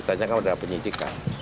tanyakan pada penyidikan